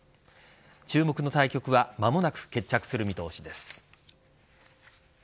注目の対局は間もなく決着する見通しです。